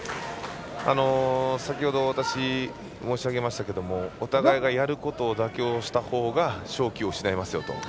先ほど、私申し上げましたけれどもお互いがやることを妥協したほうが勝機を失いますよと。